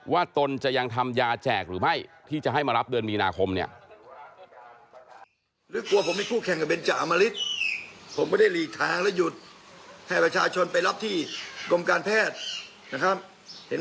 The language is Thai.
ตนจะยังทำยาแจกหรือไม่ที่จะให้มารับเดือนมีนาคมเนี่ย